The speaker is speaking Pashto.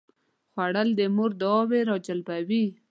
خوړل د مور دعاوې راجلبوي